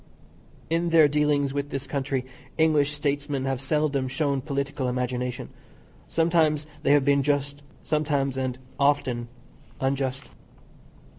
In their dealings with this country, English Statesmen have seldom shown political imagination; sometimes they have been just, sometimes, and often, unjust.